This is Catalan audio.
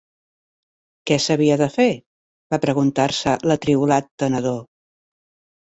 Què s'havia de fer?, va preguntar-se l'atribolat tenedor.